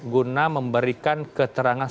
guna memberikan keterangan